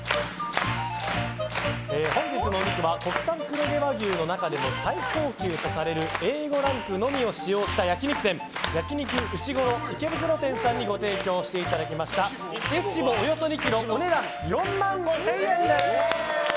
本日のお肉は国産黒毛和牛の中でも最高級とされるＡ５ランクのみを使用した焼き肉店焼肉うしごろ池袋店さんにご提供していただいたイチボ、およそ２ｋｇお値段４万５０００円です。